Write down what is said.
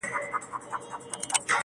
شراب نوشۍ کي مي له تا سره قرآن کړی دی